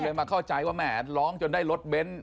ผมไม่รู้จังว่าแหมร้องจนได้รถเบนซ์